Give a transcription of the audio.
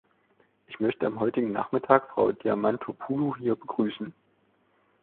Ich möchte am heutigen Nachmittag Frau Diamantopoulou hier begrüßen.